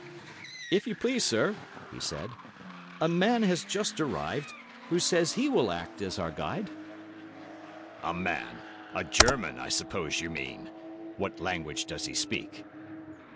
"If you please, sir," he said, "a man has just arrived who says he will act as our guide." "A man! A German, I suppose you mean? What language does he speak?"